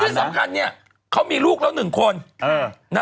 ที่สำคัญเนี่ยเขามีลูกแล้ว๑คน